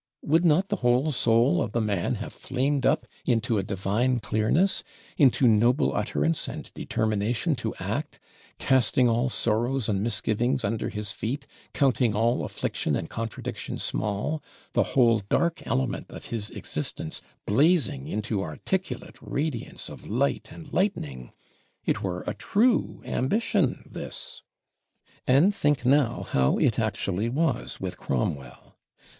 Would not the whole soul of the man have flamed up into a divine clearness, into noble utterance and determination to act; casting all sorrows and misgivings under his feet, counting all affliction and contradiction small, the whole dark element of his existence blazing into articulate radiance of light and lightning? It were a true ambition this! And think now how it actually was with Cromwell.